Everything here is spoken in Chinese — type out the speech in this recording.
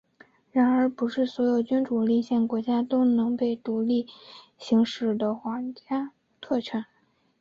然而不是所有君主立宪国家都有能被独立行使的皇家特权。